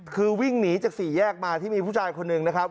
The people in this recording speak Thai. คือวิ่งหนีจากสี่แยกมาที่มีผู้ชายคนหนึ่งนะครับ